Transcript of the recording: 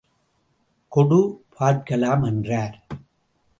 கொடு பார்ககலாம் என்றார்.